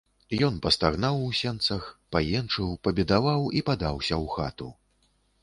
Ён пастагнаў у сенцах, паенчыў, пабедаваў і падаўся ў хату.